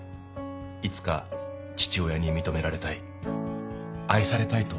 いつか父親に認められたい愛されたいと願っていました。